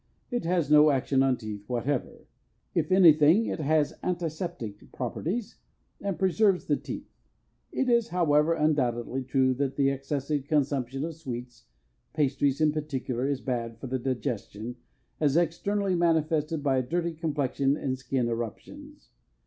It has no action on teeth whatever. If anything it has anti septic properties and preserves the teeth. It is, however, undoubtedly true that the excessive consumption of sweets, pastries in particular, is bad for the digestion, as externally manifested by a dirty complexion and skin eruptions.